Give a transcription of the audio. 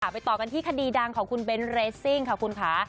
ไปต่อกันที่คดีดังของคุณเบ้นเรสซิ่งค่ะคุณค่ะ